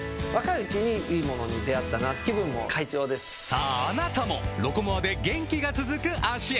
さぁあなたも「ロコモア」で元気が続く脚へ！